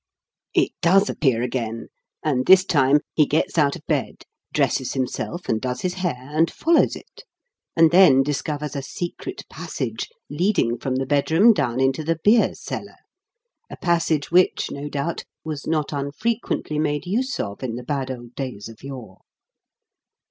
It does appear again, and, this time, he gets out of bed, dresses himself and does his hair, and follows it; and then discovers a secret passage leading from the bedroom down into the beer cellar, a passage which, no doubt, was not unfrequently made use of in the bad old days of yore.